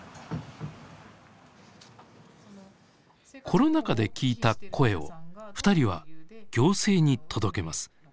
コロナ禍で聞いた声をふたりは行政に届けます。